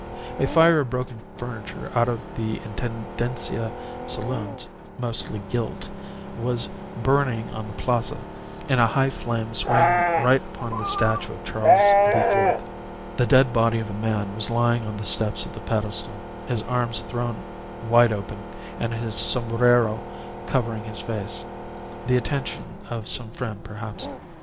A fire of broken furniture out of the Intendencia saloons, mostly gilt, was burning on the Plaza, in a high flame swaying right upon the statue of Charles IV. The dead body of a man was lying on the steps of the pedestal, his arms thrown wide open, and his sombrero covering his face the attention of some friend, perhaps.